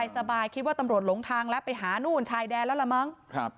สบายคิดว่าตำรวจหลงทางแล้วไปหานู่นชายแดนแล้วละมั้ง